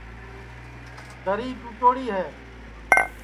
دری ٹُوڑی ہے